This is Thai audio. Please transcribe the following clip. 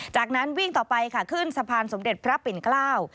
จากนั้นวิ่งต่อไปค่ะขึ้นสะพานสมเด็จพระปิ่นเกล้า